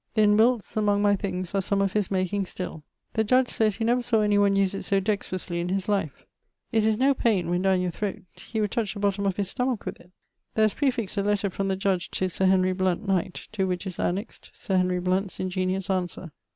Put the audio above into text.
In Wilts, among my things, are some of his making still. The Judge sayd he never sawe any one use it so dextrously in his life. It is no paine, when downe your throate; he would touch the bottome of his stomach with it. There is praefixt a letter from the Judge to Sir Henry Blount, knight; to which is annexed Sir Henry Blount's ingeniose answer.